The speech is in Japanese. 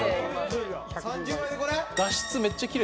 ３０倍でこれ？